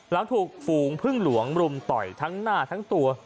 หลังถูกฝูงพึ่งหลวงรุมต่อยทั้งหน้าทั้งตัว